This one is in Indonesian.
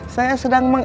saya sedang meng sms